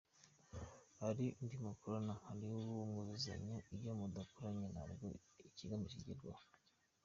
Hari undi mukorana, hari uwo mwuzuzanya, iyo mudakoranye ntabwo ikigamijwe kigerwaho.